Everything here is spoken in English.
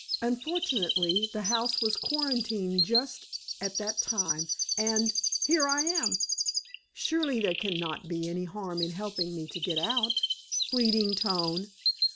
Unfortunately, the house was quarantined just at that time, and here I am. Surely there can not be any harm in helping me to get out?" (Pleading tone.)